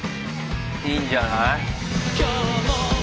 いいんじゃない。